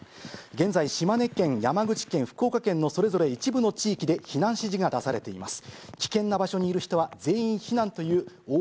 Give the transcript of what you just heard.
現在、島根県、山口県、福岡県のそれぞれ一部の地域で避難指示が出されています。